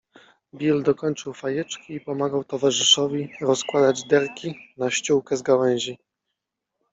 Bill dokończył fajeczki i pomagał towarzyszowi rozkładać derki na ściółkę z gałęzi